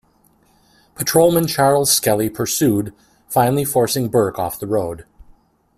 Patrolman Charles Skelly pursued, finally forcing Burke off the road.